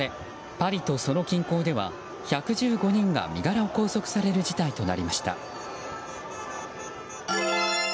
パリとその近郊では１１５人が身柄を拘束される事態となりました。